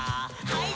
はい。